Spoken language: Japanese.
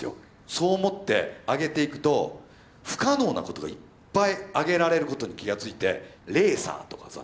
そう思って挙げていくと不可能なことがいっぱい挙げられることに気が付いてレーサーとかさ。